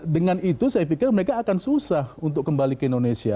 dengan itu saya pikir mereka akan susah untuk kembali ke indonesia